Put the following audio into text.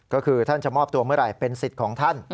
ก็คือท่านจะมอบตัวเมื่อไหร่เป็นสิทธิ์ของท่าน